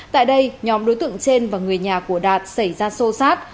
tại đây nhóm đối tượng trên và người nhà của đạt xảy ra sô sát